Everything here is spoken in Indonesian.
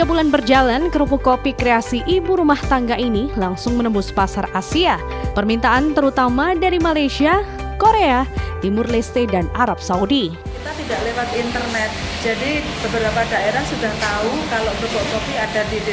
ketamatan kedung pring obatan lamongan untuk dipasarkan di seluruh indonesia